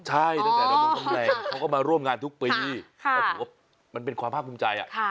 ใช่ตั้งแต่ดำรงตำแหน่งเขาก็มาร่วมงานทุกปีก็ถือว่ามันเป็นความภาคภูมิใจ